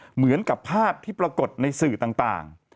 เหมือนกับภาพที่ปรากฏในสื่อต่าง